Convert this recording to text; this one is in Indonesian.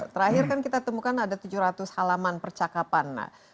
terakhir kan kita temukan ada tujuh ratus halaman percakapan